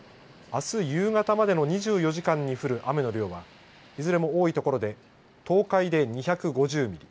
あす夕方までの２４時間に降る雨の量はいずれも多い所で東海で２５０ミリ